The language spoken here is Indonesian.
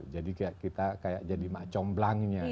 jadi kita kayak jadi mak comblangnya gitu